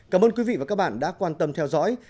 cảm ơn quý vị và các bạn đã quan tâm theo dõi